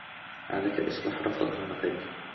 عليك إصلاح ربطة عنقك.